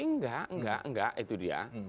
enggak enggak enggak itu dia